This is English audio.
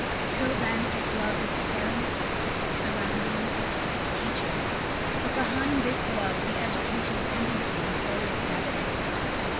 Till then it loved its parents, its surroundings, its teacher. But behind this love the educational tendency was always in evidence.